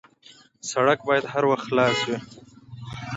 سړک باید هر وخت خلاص وي.